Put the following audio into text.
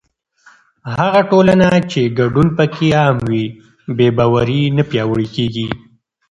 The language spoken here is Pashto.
هغه ټولنه چې ګډون پکې عام وي، بې باوري نه پیاوړې کېږي.